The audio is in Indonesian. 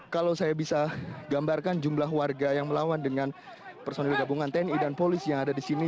kalau saya bisa gambarkan jumlah warga yang melawan dengan personil gabungan tni dan polisi yang ada di sini